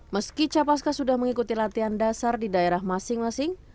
meski capaska sudah mengikuti latihan dasar di daerah masing masing